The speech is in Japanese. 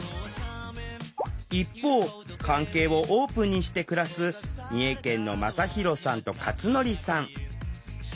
一方関係をオープンにして暮らす三重県のまさひろさんとかつのりさん。